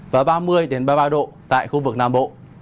và ba mươi ba mươi ba độ tại khu vực nam bộ